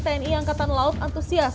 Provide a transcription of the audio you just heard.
tni angkatan laut antusias